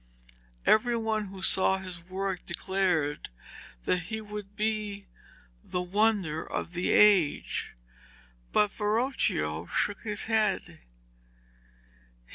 Every one who saw his work declared that he would be the wonder of the age, but Verocchio shook his head.